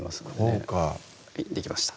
豪華はいできました